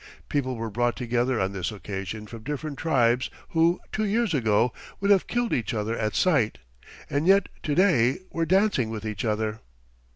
People were brought together on this occasion from different tribes who two years ago would have killed each other at sight, and yet to day were dancing with each other.